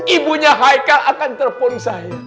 ibu nya haikal akan terpukul saya